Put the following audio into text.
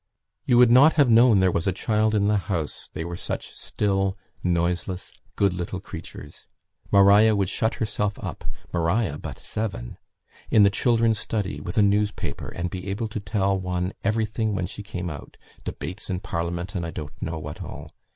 "You would not have known there was a child in the house, they were such still, noiseless, good little creatures. Maria would shut herself up" (Maria, but seven!) "in the children's study with a newspaper, and be able to tell one everything when she came out; debates in Parliament, and I don't know what all.